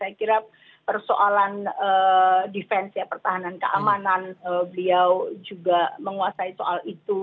saya kira persoalan defense ya pertahanan keamanan beliau juga menguasai soal itu